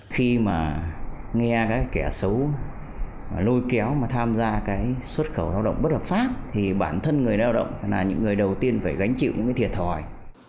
khi mà nghe các kẻ xấu lôi kéo mà tham gia cái xuất khẩu lao động bất hợp pháp thì bản thân người lao động là những người đầu tiên phải gánh chịu những cái thiệt thòi